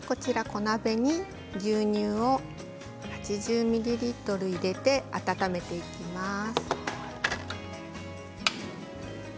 小鍋に牛乳を８０ミリリットル入れて温めていきます。